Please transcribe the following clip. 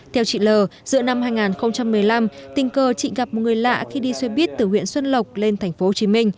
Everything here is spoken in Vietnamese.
theo chị l giữa năm hai nghìn một mươi năm tình cờ chị gặp một người lạ khi đi xe buýt từ huyện xuân lộc lên tp hcm